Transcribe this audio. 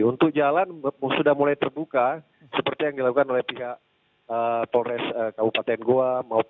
untuk jalan sudah mulai terbuka seperti yang dilakukan oleh pihak polres kabupaten goa